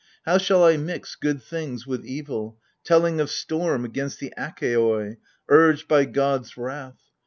... How shall I mix good things with evil, telling Of storm against the Achaioi, urged by gods' wrath